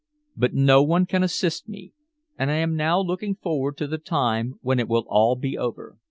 But no one can assist me, and I am now looking forward to the time when it will all be over.